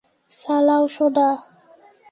চালাও, সোনা!